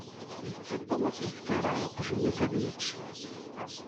Yettu Tom ur s-yefki ara i weqjun-is ad yečč.